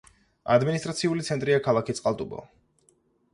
ადმინისტრაციული ცენტრია ქალაქი წყალტუბო.